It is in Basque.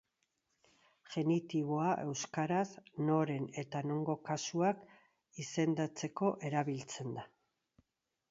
Genitiboa, euskaraz, noren eta nongo kasuak izendatzeko erabiltzen da.